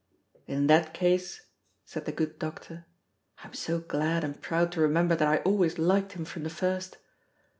"In that case," said the good doctor (I am so glad and proud to remember that I always liked him from the first!)